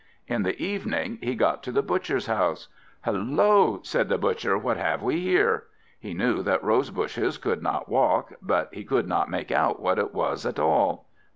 In the evening he got to the Butcher's house. "Hullo!" said the Butcher, "what have we here?" He knew that rose bushes could not walk, but he could not make out what it was at all.